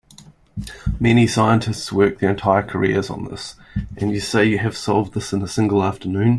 Many scientists work their entire careers on this, and you say you have solved this in a single afternoon?